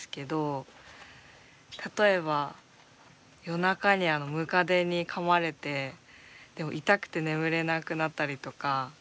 例えば夜中にムカデにかまれて痛くて眠れなくなったりとか。